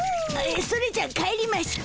それじゃあ帰りますか。